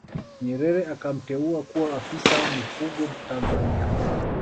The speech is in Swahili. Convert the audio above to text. Nyerere akamteua kuwa Afisa Mifugo Tanzania Bara